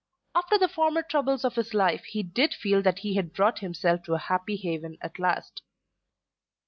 After the former troubles of his life he did feel that he had brought himself to a happy haven at last.